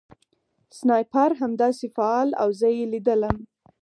سنایپر همداسې فعال و او زه یې لیدلم